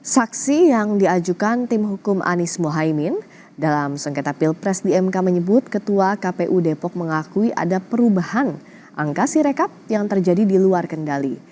saksi yang diajukan tim hukum anies mohaimin dalam sengketa pilpres di mk menyebut ketua kpu depok mengakui ada perubahan angka sirekap yang terjadi di luar kendali